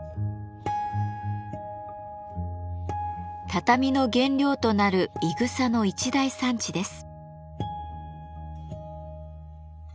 畳の原料となる「いぐさ」の一大産地です。